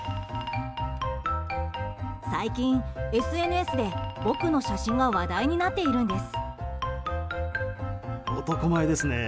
最近、ＳＮＳで僕の写真が話題になっているんです。